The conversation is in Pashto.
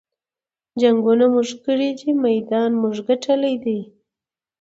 جنګــــونه مونږه کـــــــــړي دي مېدان مونږه ګټلے